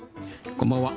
こんばんは。